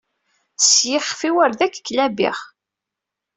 S yiɣef-iw ar ad ak-klabiɣ!